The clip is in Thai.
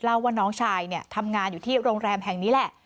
ว่าน้องชายเนี่ยทำงานอยู่ที่โรงแรมแห่งนี้แหละ